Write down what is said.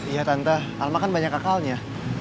iya tante alma kan banyak akalnya